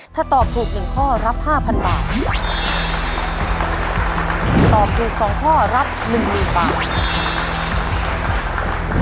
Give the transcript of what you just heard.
ถ้าตอบถูกหนึ่งข้อรับห้าพันบาทตอบถูกสองข้อรับหนึ่งหมื่นบาท